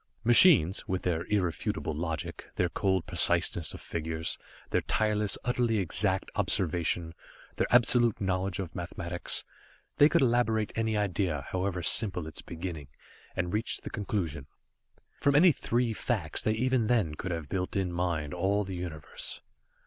Machines with their irrefutable logic, their cold preciseness of figures, their tireless, utterly exact observation, their absolute knowledge of mathematics they could elaborate any idea, however simple its beginning, and reach the conclusion. From any three facts they even then could have built in mind all the Universe.